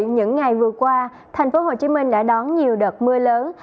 những ngày vừa qua tp hcm đã đón nhiều đợt mưa lớn